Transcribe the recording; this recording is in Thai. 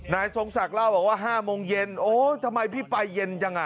นายทรงศักดิ์เล่าอ่ะว่าห้าโมงเย็นโอ้โหทำไมพี่ไปเย็นยังอ่ะ